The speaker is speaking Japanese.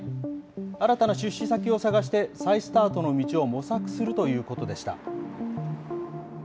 新たな出資先を探して、再スタートの道を模索するというものでした。